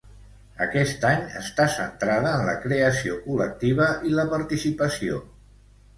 Aquest any està centrada en la creació col·lectiva i la participació.